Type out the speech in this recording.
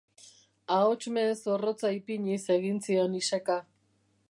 Ahots mehe zorrotza ipiniz egin zion iseka.